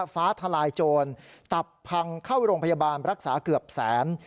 ฟ้าทลายโจรตับพังเข้าโรงพยาบาลรักษาเกือบแสน